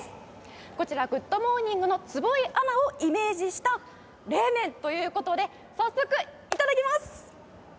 こちら『グッド！モーニング』の坪井アナをイメージした冷麺という事で早速いただきます！